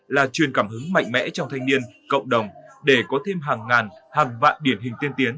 là truyền cảm hứng mạnh mẽ trong thanh niên cộng đồng để có thêm hàng ngàn hàng vạn điển hình tiên tiến